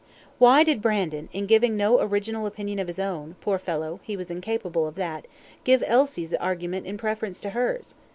Why did Brandon, in giving no original opinion of his own (poor fellow, he was incapable of that), give Elsie's argument in preference to hers?